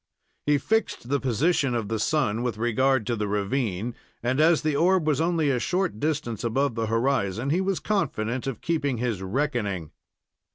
He fixed the position of the sun with regard to the ravine, and as the orb was only a short distance above the horizon, he was confident of keeping his "reckoning."